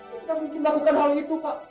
kau tidak mungkin melakukan hal itu pak